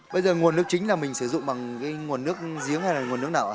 bây giờ nguồn nước chính là mình sử dụng bằng cái nguồn nước giếng hay là nguồn nước nào ạ